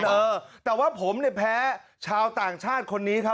เออแต่ว่าผมเนี่ยแพ้ชาวต่างชาติคนนี้ครับ